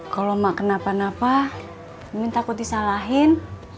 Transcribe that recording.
kalau emak kenapa napa mimin takut disalahin